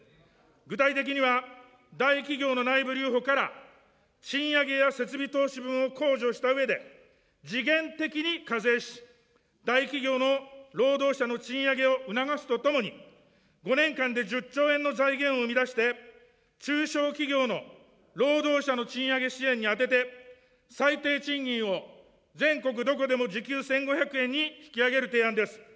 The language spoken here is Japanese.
具体的には、大企業の内部留保から、賃上げや設備投資分を控除したうえで、時限的に課税し、大企業の労働者の賃上げを促すとともに、５年間で１０兆円の財源を生み出して中小企業の労働者の賃上げ支援に充てて、最低賃金を全国どこでも時給１５００円に引き上げる提案です。